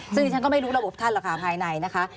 ซึ่งดิฉันก็ไม่รู้ระบบท่านหรอกค่ะภายในนะคะ